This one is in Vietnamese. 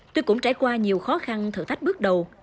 tôi cũng trải qua nhiều khó khăn thử thách bước đầu